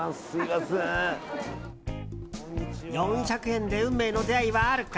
４００円で運命の出会いはあるか？